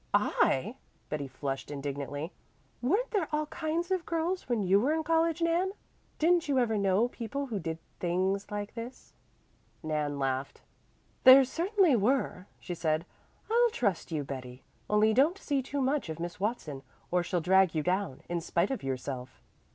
"I!" Betty flushed indignantly. "Weren't there all kinds of girls when you were in college, Nan? Didn't you ever know people who did 'things like this'?" Nan laughed. "There certainly were," she said. "I'll trust you, Betty. Only don't see too much of Miss Watson, or she'll drag you down, in spite of yourself."